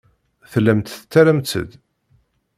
Tellamt tettarramt-d.